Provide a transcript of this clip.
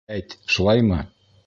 Әйт, шулаймы?